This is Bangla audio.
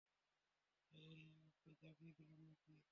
হেই, ওকে জাগিয়ে দিলাম নাকি?